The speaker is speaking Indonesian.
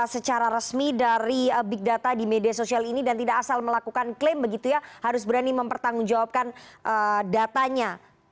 secara resmi dari big data di media sosial ini dan tidak asal melakukan klaim begitu ya harus berani mempertanggungjawabkan datanya